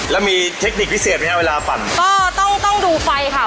แล้วมีเทคนิคพิเศษไหมครับเวลาปั่นก็ต้องต้องดูไฟค่ะ